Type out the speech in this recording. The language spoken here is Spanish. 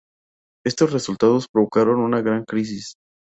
Estos resultados provocaron una gran crisis.